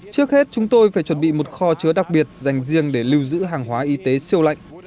trước hết chúng tôi phải chuẩn bị một kho chứa đặc biệt dành riêng để lưu giữ hàng hóa y tế siêu lạnh